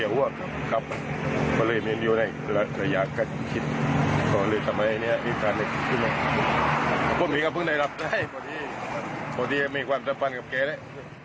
พวกมีฮีก็พึ่งได้รับได้พอดีมีความสำคัญกับเกรนี่